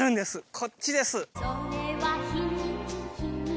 こっちです！